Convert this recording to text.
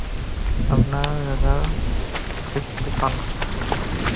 আপনার laser Beacon!